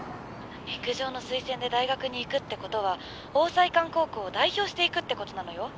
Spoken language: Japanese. ☎陸上の推薦で大学に行くってことは☎桜彩館高校を代表して行くってことなのよ☎